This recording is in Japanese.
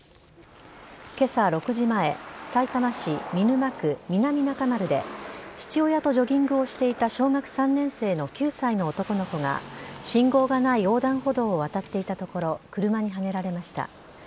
今朝６時前さいたま市見沼区南中丸で父親とジョギングをしていた小学３年生の９歳の男の子が信号がない横断歩道を渡っていたところ車にはねられました。